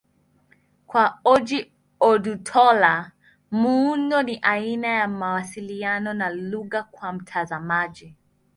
Kwa Ojih Odutola, muundo ni aina ya mawasiliano na lugha kwa mtazamaji.